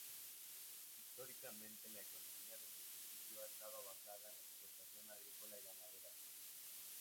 Históricamente la economía del municipio ha estado basada en la explotación agrícola y ganadera.